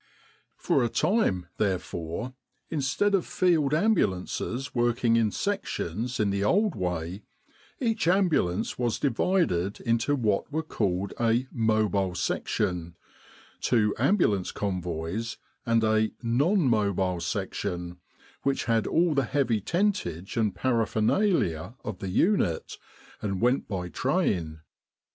For a time, therefore, instead of the Field Ambul ances working in sections in the old way, each ambulance was divided into what were called a "Mobile Section," two "Ambulance Convoys," and a "Non Mobile Section" which had all the heavy tentage and paraphernalia of the unit, and went by train.